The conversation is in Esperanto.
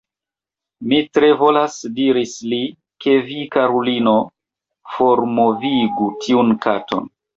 "Mi tre volas," diris li, "ke vi, karulino, formovigu tiun katon."